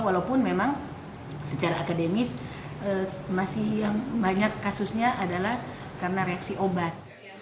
walaupun memang secara akademis masih yang banyak kasusnya adalah karena reaksi obat